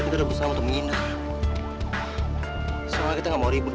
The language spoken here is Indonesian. tempatmu sudah dirawat waktu itu